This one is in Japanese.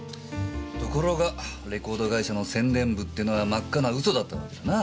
ところがレコード会社の宣伝部ってのは真っ赤な嘘だったわけだな。